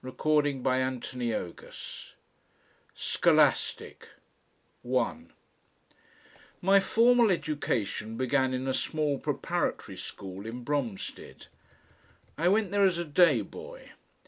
CHAPTER THE THIRD ~~ SCHOLASTIC 1 My formal education began in a small preparatory school in Bromstead. I went there as a day boy.